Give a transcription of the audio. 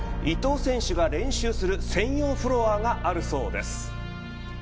伊藤選手が練習する専用フロアがあるそうです。